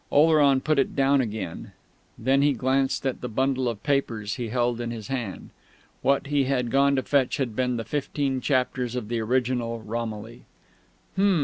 Oleron put it down again; then he glanced at the bundle of papers he held in his hand. What he had gone to fetch had been the fifteen chapters of the original Romilly. "Hm!"